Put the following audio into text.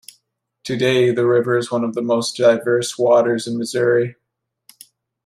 Today the river is one of the most diverse waters in Missouri.